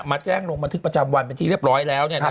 มาแจ้งลงมาที่ประจำวันเป็นที่เรียบร้อยแล้วเนี่ยนะครับ